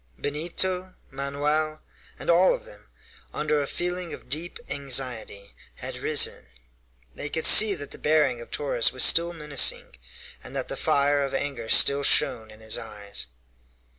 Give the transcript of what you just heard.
Benito, Manoel, and all of them, under a feeling of deep anxiety, had risen. They could see that the bearing of Torres was still menacing, and that the fire of anger still shone in his eyes.